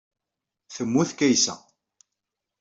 Temmut Kaysa.